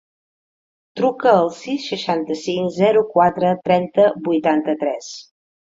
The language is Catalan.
Truca al sis, seixanta-cinc, zero, quatre, trenta, vuitanta-tres.